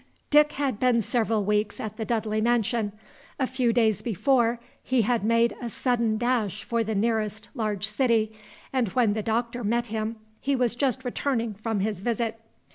Dick had been several weeks at the Dudley mansion. A few days before, he had made a sudden dash for the nearest large city, and when the Doctor met him, he was just returning from his visit.